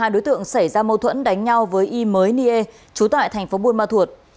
hai đối tượng xảy ra mâu thuẫn đánh nhau với y mới nie trú tại thành phố buôn ma thuột